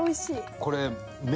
これ。